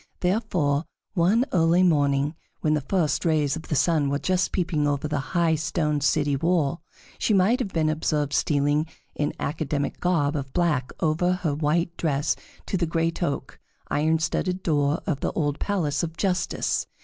Therefore, one early morning, when the first rays of the sun were just peeping over the high stone city wall, she might have been observed stealing in academic garb of black over her white dress to the great oak, iron studded door of the old Palace of Justice.